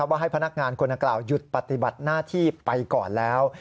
ว่าให้พนักงานคนดังกล่าวหยุดปฏิบัติหน้าที่ไปก่อนแล้ว